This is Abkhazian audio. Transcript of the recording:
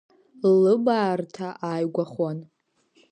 Ллыбаарҭа ааигәахон.